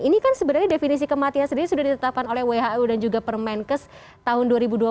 ini kan sebenarnya definisi kematian sendiri sudah ditetapkan oleh who dan juga permenkes tahun dua ribu dua puluh